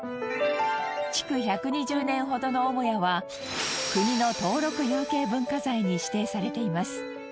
築１２０年ほどの母屋は国の登録有形文化財に指定されています。